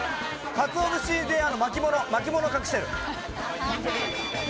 鰹節で巻物を隠してる。